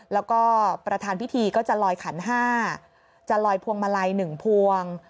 แล้วก็ประธานพิธีก็จะลอยขัน๕จะลอยพวงมาลัย๑พวง